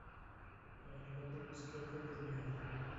Para el lóbulo izquierdo del hígado.